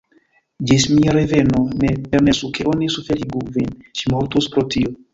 Ĝis mia reveno, ne permesu ke oni suferigu vin: ŝi mortus pro tio!